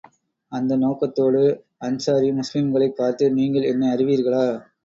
அந்த நோக்கத்தோடு அன்ஸாரி முஸ்லிம்களைப் பார்த்து, நீங்கள் என்னை அறிவீர்களா?